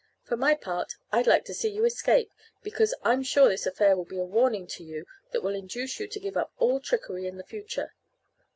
For my part, I'd like to see you escape, because I'm sure this affair will be a warning to you that will induce you to give up all trickery in the future.